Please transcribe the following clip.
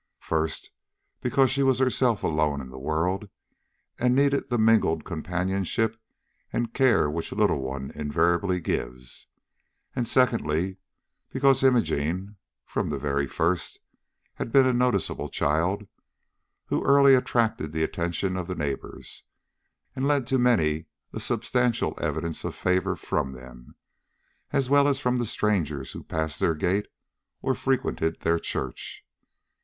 First, because she was herself alone in the world, and needed the mingled companionship and care which a little one invariably gives; and, secondly, because Imogene, from the very first, had been a noticeable child, who early attracted the attention of the neighbors, and led to many a substantial evidence of favor from them, as well as from the strangers who passed their gate or frequented their church.